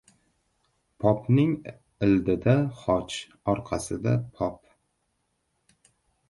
• Popning ildida xoch, orqasida qop.